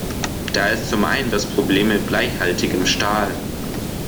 Da ist zum einen das Problem mit bleihaltigem Stahl.